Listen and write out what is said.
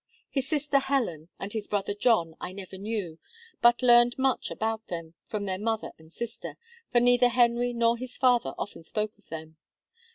His sister Helen and his brother John I never knew, but learned much about them from their mother and sister; for neither Henry nor his father often spoke of them.